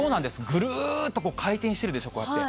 ぐるっと回転してるでしょ、こうやって。